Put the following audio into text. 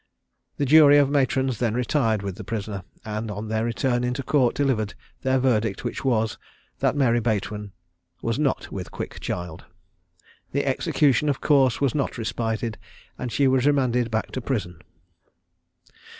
The jury of matrons then retired with the prisoner, and on their return into court delivered their verdict, which was, that Mary Bateman is not with quick child. The execution of course was not respited, and she was remanded back to prison.